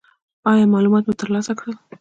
ایا معلومات مو ترلاسه کړل؟